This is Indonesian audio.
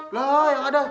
lah yang ada